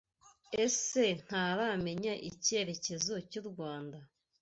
ese ntaramenya icyerekezo cy’u rwanda